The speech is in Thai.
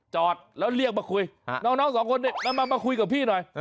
จอดแล้วเรียกมาคุยน้องสองคนนี้มาคุยกับพี่หน่อย